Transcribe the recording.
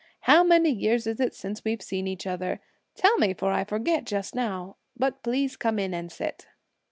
How many years is it since we've seen each other; tell me, for I forget just now; but please come in and sit."